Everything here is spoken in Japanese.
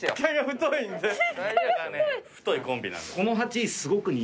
太いコンビなんです。